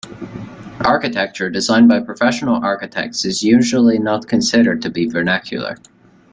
Architecture designed by professional architects is usually not considered to be vernacular.